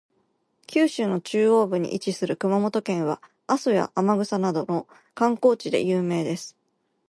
九州の中央部に位置する熊本県は、阿蘇や天草などの観光地で有名です。